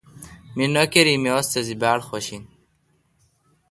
می نوکری می استادی باڑخوش این۔